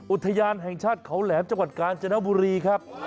อุทยานแห่งชาติเขาแหลมจังหวัดกาญจนบุรีครับ